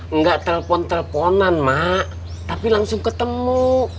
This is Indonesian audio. enggak telepon teleponan mak tapi langsung ketemu